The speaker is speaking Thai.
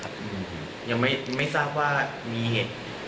ยังไม่ทราบว่ามีเหตุ